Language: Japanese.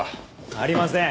ありません。